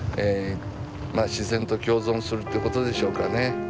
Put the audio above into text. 自然と共存するってことでしょうかね。